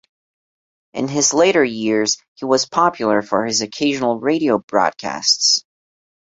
In his later years he was popular for his occasional radio broadcasts.